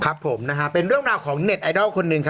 ครับผมเป็นเรื่องราวของเน็ตไอดอลคนหนึ่ง